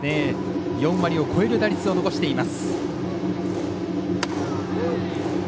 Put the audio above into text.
４割を超える打率を残しています。